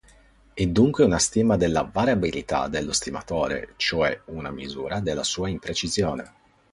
È dunque una stima della variabilità dello stimatore, cioè una misura della sua imprecisione.